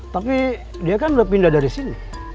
tapi dia kan udah pindah dari sini